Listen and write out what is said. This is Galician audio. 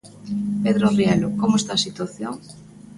Pedro Rielo, como está a situación?